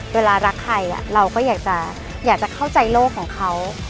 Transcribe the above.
เวลารักใครเราก็อยากจะเข้าใจโลกของเขา